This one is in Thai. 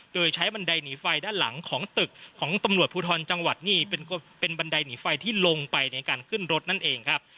โดยใช้บันไดหนีไฟด้านหลังของตึกของตำรวจภูทรจังหวัดนี่เป็นบันไดหนีไฟที่ลงไปในการขึ้นรถนั่นเองครับ